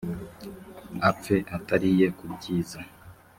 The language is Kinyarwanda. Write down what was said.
apfe atariye ku byiza